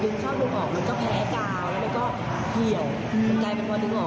อืม